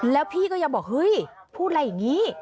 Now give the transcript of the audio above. แล้วพี่ก็ยังบอกเฮ้ยพูดอะไรอย่างนี้